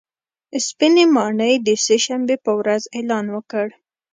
سپینې ماڼۍ د سې شنبې په ورځ اعلان وکړ